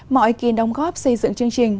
mọi kỳ đồng góp xây dựng chương trình